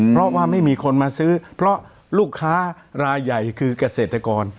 เพราะว่าไม่มีคนมาซื้อเพราะลูกค้ารายใหญ่คือเกษตรกร